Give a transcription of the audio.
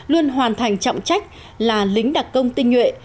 luôn hoàn thành trọng trách là lính đặc công tinh nhuệ